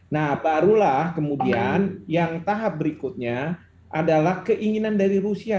nah barulah kemudian yang tahap berikutnya adalah keinginan dari rusia